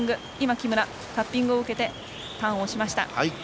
木村、タッピングを受けてターンをしました。